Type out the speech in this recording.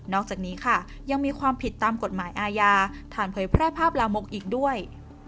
อกจากนี้ค่ะยังมีความผิดตามกฎหมายอาญาฐานเผยแพร่ภาพลามกอีกด้วย